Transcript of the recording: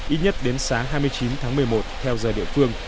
ít nhất đến sáng hai mươi chín tháng một mươi một theo giờ địa phương